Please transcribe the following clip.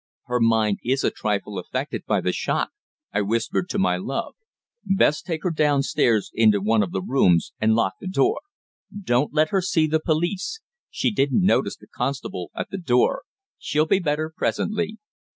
"Her mind is a trifle affected by the shock," I whispered to my love. "Best take her downstairs into one of the rooms and lock the door. Don't let her see the police. She didn't notice the constable at the door. She'll be better presently."